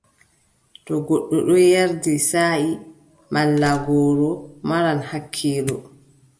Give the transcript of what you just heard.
To goɗɗo ɗon yerdi saaʼi malla gooro, maran hakkiilo.